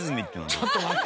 ちょっと待って。